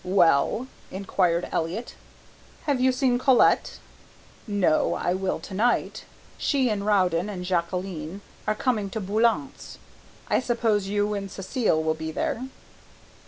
"Well?" inquired Elliott. "Have you seen Colette?" "No, I will to night. She and Rowden and Jacqueline are coming to Boulant's. I suppose you and, Cécile will be there?"